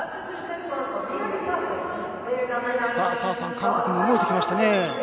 澤さん、韓国も動いてきましたね。